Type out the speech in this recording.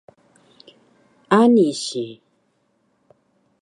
Ani si